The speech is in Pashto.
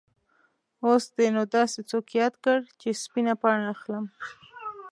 اوس دې نو داسې څوک یاد کړ چې سپینه پاڼه اخلم.